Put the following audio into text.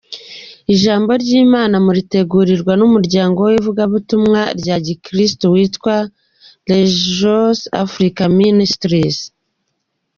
Ijambo ry’Imana muritegurirwa n’umuryango w’ivugabutumwa rya Gikristu witwa Rejoice Africa Ministries.